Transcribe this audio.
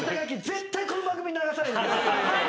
絶対この番組で流さないで。